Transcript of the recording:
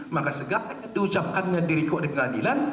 maka segala yang diucapkannya diriku di pengadilan